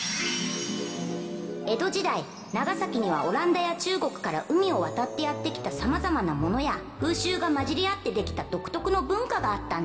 江戸時代長崎にはオランダや中国からうみをわたってやってきたさまざまなものやふうしゅうがまじりあってできたどくとくのぶんかがあったんだ。